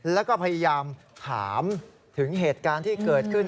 แล้วก็พยายามถามถึงเหตุการณ์ที่เกิดขึ้น